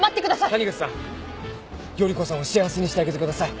谷口さん依子さんを幸せにしてあげてください。